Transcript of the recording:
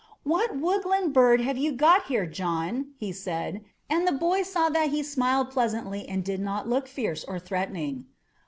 "What woodland bird have you got here, John?" he said. And the boy saw that he smiled pleasantly and did not look fierce or threatening.